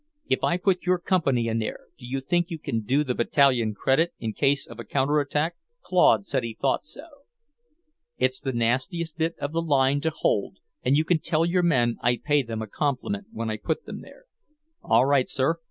If I put your company in there, do you think you can do the Battalion credit in case of a counter attack?" Claude said he thought so. "It's the nastiest bit of the line to hold, and you can tell your men I pay them a compliment when I put them there." "All right, sir.